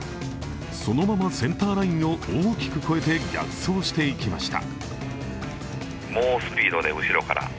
そのまま、センターラインを大きく越えて逆走していきました。